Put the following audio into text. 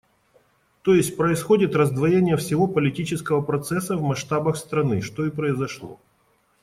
То есть происходит раздвоение всего политического процесса в масштабах страны, что и произошло.